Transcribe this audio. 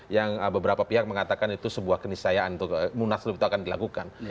yang beberapa pihak mengatakan itu sebuah kenisayaan untuk munaslup itu akan dilakukan